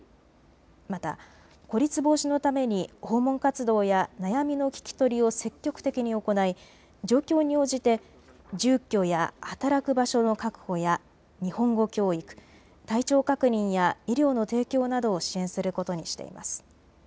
また、孤立防止のために訪問活動や悩みの聞き取りを積極的に行い状況に応じて住居や働く場所の確保や日本語教育、体調確認や医療の提供などを支援することにしています。